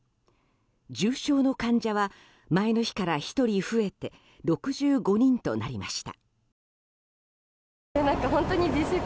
重症者の患者は前の日から１人増えて６５人となりました。